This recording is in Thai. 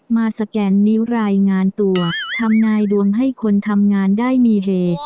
สแกนนิ้วรายงานตัวทำนายดวงให้คนทำงานได้มีเฮ